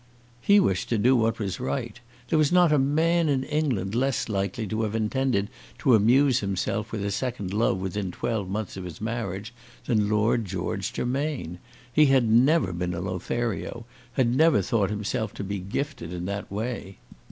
He wished to do what was right. There was not a man in England less likely to have intended to amuse himself with a second love within twelve months of his marriage than Lord George Germain. He had never been a Lothario, had never thought himself to be gifted in that way.